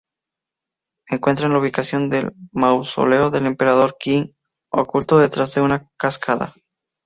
Encuentran la ubicación del mausoleo del emperador Qin, oculto detrás de una cascada.